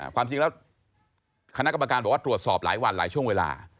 ความจริงแล้วคณะกรรมการบอกว่าตรวจสอบหลายวันหลายช่วงเวลา